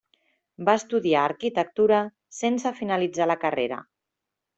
Va estudiar arquitectura, sense finalitzar la carrera.